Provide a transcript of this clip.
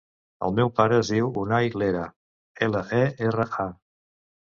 El meu pare es diu Unay Lera: ela, e, erra, a.